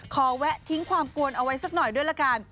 แวะทิ้งความกวนเอาไว้สักหน่อยด้วยละกัน